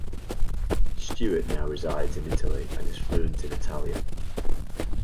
Stewart now resides in Italy, and is fluent in Italian.